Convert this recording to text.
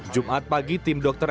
jumat pagi tim dokter